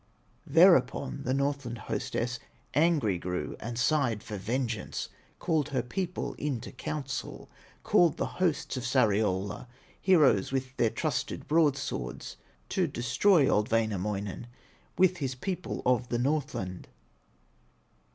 Thereupon the Northland hostess Angry grew and sighed for vengeance; Called her people into council, Called the hosts of Sariola, Heroes with their trusted broadswords, To destroy old Wainamoinen With his people of the Northland.